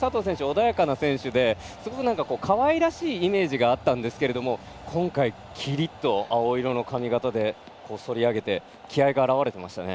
穏やかな選手ですごくかわいらしいイメージがあったんですけども今回、キリッと青色の髪形でそり上げて気合いが現れていましたね。